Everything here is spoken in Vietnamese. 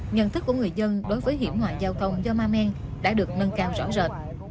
nhận thức của người dân đối với hiểm họa giao thông do ma men đã được nâng cao rõ rệt